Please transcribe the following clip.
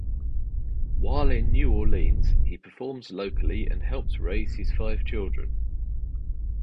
While in New Orleans he performs locally and helps raise his five children.